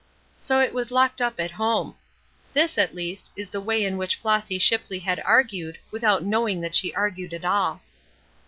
So it was locked up at home. This, at least, is the way in which Flossy Shipley had argued, without knowing that she argued at all.